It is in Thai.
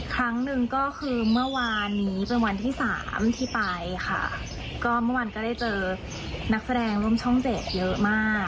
ครั้งหนึ่งก็คือเมื่อวานนี้จนวันที่สามที่ไปค่ะก็เมื่อวานก็ได้เจอนักแสดงร่วมช่องเจ็ดเยอะมาก